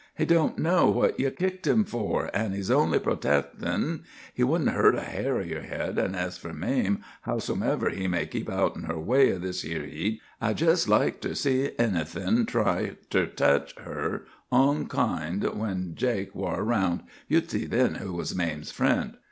He don't know now what you kicked him fur, an' he's only protestin'. He wouldn't hurt a hair o' yer head; an' ez fur Mame, howsomever he may keep outen her way in this 'ere heat, I'd jest like ter see anythin' try ter tech her onkind when Jake war 'round. You'd see then who was Mame's friend!